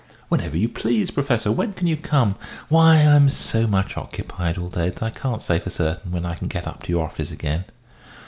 "Whenever you please, Professor. When can you come?" "Why, I'm so much occupied all day that I can't say for certain when I can get up to your office again."